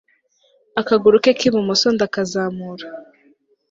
akaguru ke k'ibumoso ndakazamura